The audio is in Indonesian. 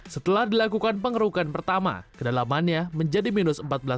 setelah dilakukan pengerukan pertama kedalamannya menjadikan pelabuhan tersebut berdekatan